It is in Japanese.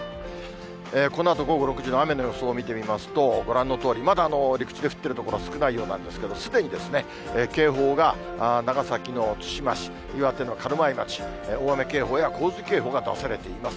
このあと午後６時の雨の予想を見てみますと、ご覧のとおり、まだ陸地で降っている所は少ないようなんですけれども、すでに警報が長崎の対馬市、岩手の軽米町、大雨警報や洪水警報が出されています。